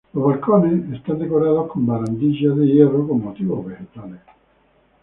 Los balcones están decorados con barandillas de hierro con motivos vegetales.